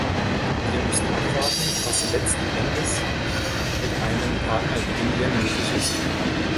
Wir müssen abwarten, was letzten Endes mit einem Partner wie Indien möglich ist.